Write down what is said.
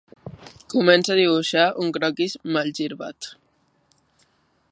Comença a dibuixar un croquis malgirbat.